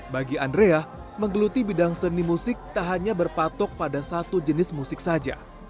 bagi andrea menggeluti bidang seni musik tak hanya berpatok pada satu jenis musik saja